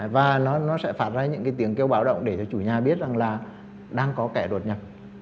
và nó sẽ phạt ra những cái tiếng kêu báo động để cho chủ nhà biết rằng là đang có kẻ đột nhập